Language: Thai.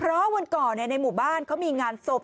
เพราะวันก่อนในหมู่บ้านเขามีงานศพ